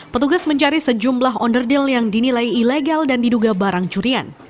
petugas mencari sejumlah onderdeal yang dinilai ilegal dan diduga barang curian